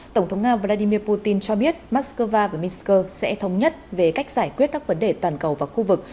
tổng thống nga vladimir putin cho biết moscow và minsk sẽ thống nhất về cách giải quyết các vấn đề toàn cầu và khu vực